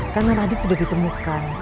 karena radit sudah ditemukan